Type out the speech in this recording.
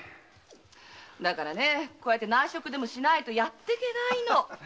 だからこうして内職でもしないとやってけないの。